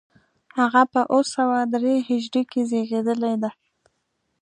هغه په اوه سوه درې هجري کې زېږېدلی دی.